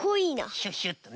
シュッシュッとね。